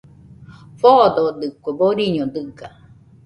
Foododɨkue, boriño dɨga